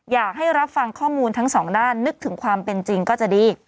อยากให้รับฟังข้อมูลทั้งสองด้านนึกถึงความเป็นจริงก็จะดี